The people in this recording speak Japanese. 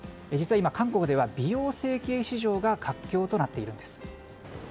今、韓国では美容整形市場が活況となっているんです。